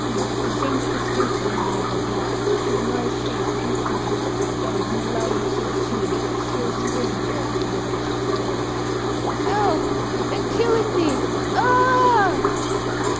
It seemed that the speaker was a man of mark, for the noise ceased instantly; and, in the lull which ensued, a shrill scream broke from the wretched tailor. "Help! they're killing me! Ah h h